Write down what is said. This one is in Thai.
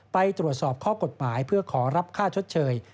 ไปตรวจสอบข้อกฎหมายเพื่อขอรับค่าชดเชย